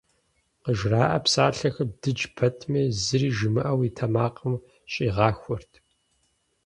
Къыжраӏэ псалъэхэр дыдж пэтми, зыри жимыӏэу, и тэмакъым щӏигъахуэрт.